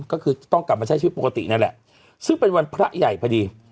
ก็คือต้องกลับมาใช้ชีวิตปกตินั่นแหละซึ่งเป็นวันพระใหญ่พอดี